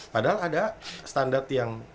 padahal ada standar yang